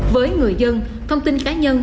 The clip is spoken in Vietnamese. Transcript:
với người dân thông tin cá nhân